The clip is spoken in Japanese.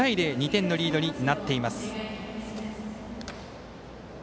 ２点のリードになっています。